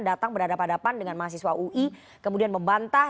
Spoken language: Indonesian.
datang berhadapan hadapan dengan mahasiswa ui kemudian membantah